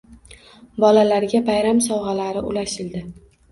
Bolalarga bayram sovg‘alari ulashildi